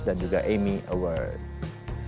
dan juga amy awards